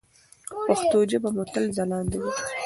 پښتو ژبه مو تل ځلانده وي.